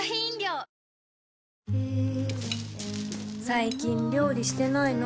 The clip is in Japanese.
最近料理してないの？